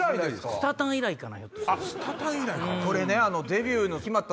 『スタ誕』以来かな。